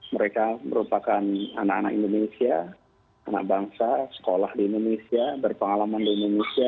mereka merupakan anak anak indonesia anak bangsa sekolah di indonesia berpengalaman di indonesia